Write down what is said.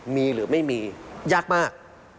มีหรือไม่มียากมาก